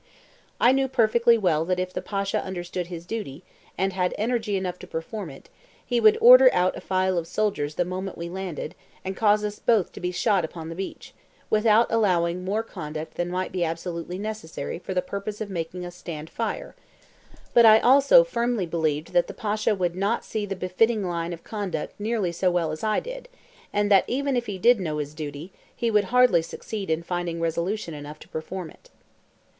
I knew perfectly well that if the Pasha understood his duty, and had energy enough to perform it, he would order out a file of soldiers the moment we landed, and cause us both to be shot upon the beach, without allowing more contact than might be absolutely necessary for the purpose of making us stand fire; but I also firmly believed that the Pasha would not see the befitting line of conduct nearly so well as I did, and that even if he did know his duty, he would hardly succeed in finding resolution enough to perform it.